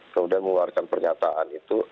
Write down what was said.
kemudian mengeluarkan pernyataan itu